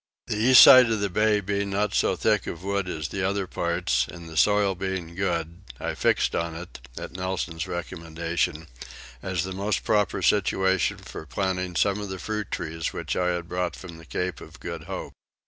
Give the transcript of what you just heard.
The east side of the bay being not so thick of wood as the other parts, and the soil being good, I fixed on it, at Nelson's recommendation, as the most proper situation for planting some of the fruit trees which I had brought from the Cape of Good Hope.